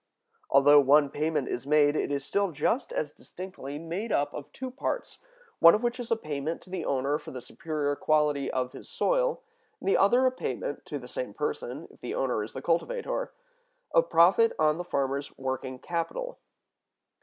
Although one payment is made, it is still just as distinctly made up of two parts, one of which is a payment to the owner for the superior quality of his soil, and the other a payment (to the same person, if the owner is the cultivator) of profit on the farmer's working capital.